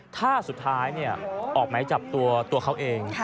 ถ้าสุดท้ายออกไหมจับตัวตัวเขาเอง